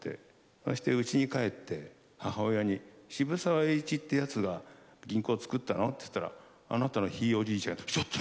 そしてうちに帰って母親に「渋沢栄一ってやつが銀行をつくったの？」って言ったらあなたのひいおじいちゃんって。